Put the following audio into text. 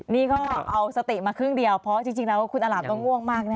นี่ก็เอาสติมาครึ่งเดียวเพราะจริงแล้วคุณอลาบก็ง่วงมาก